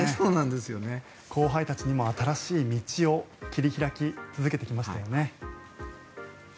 後輩たちにも新しい道を切り開き続けてきましたよね。